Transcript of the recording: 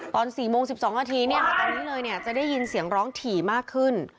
ตอนสี่โมงสิบสองนาทีเนี้ยค่ะตอนนี้เลยเนี้ยจะได้ยินเสียงร้องถี่มากขึ้น